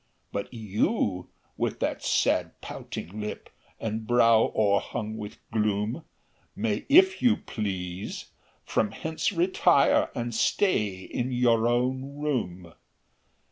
"But you, with that sad pouting lip, And brow o'erhung with gloom, May, if you please, from hence retire, And stay in your own room.